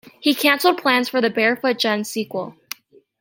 He cancelled plans for a "Barefoot Gen" sequel.